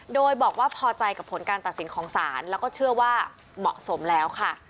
โดยบอกว่าพอใจกับผลการตัดสินของศาลแล้วก็เชื่อว่าเหมาะสมแล้วค่ะ